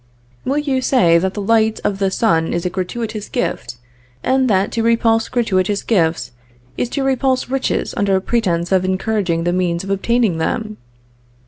"Will you say that the light of the sun is a gratuitous gift, and that to repulse gratuitous gifts, is to repulse riches under pretence of encouraging the means of obtaining them?